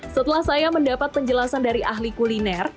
setelah saya mendapat penjelasan dari ahli kuliner